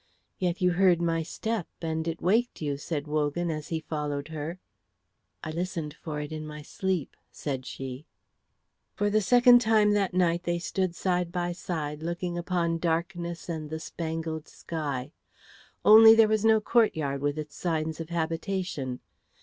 "Yet you heard my step, and it waked you," said Wogan, as he followed her. "I listened for it in my sleep," said she. For a second time that night they stood side by side looking upon darkness and the spangled sky. Only there was no courtyard with its signs of habitation.